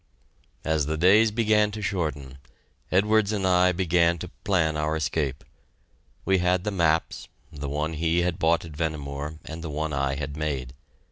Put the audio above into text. As the days began to shorten, Edwards and I began to plan our escape. We had the maps, the one he had bought at Vehnemoor and the one I had made.